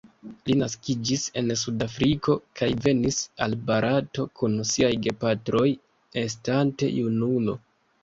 Li naskiĝis en Sudafriko kaj venis al Barato kun siaj gepatroj estante junulo.